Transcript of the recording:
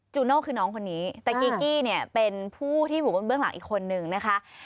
โน่คือน้องคนนี้แต่กีกี้เนี่ยเป็นผู้ที่อยู่บนเบื้องหลังอีกคนนึงนะคะ